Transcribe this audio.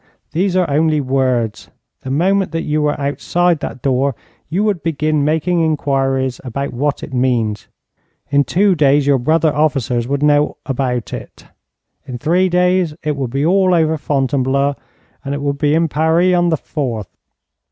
'These are only words. The moment that you were outside that door you would begin making inquiries about what it means. In two days your brother officers would know about it, in three days it would be all over Fontainebleau, and it would be in Paris on the fourth.